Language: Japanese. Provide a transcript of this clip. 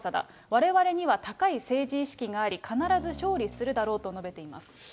われわれには高い政治意識があり、必ず勝利するだろうと述べています。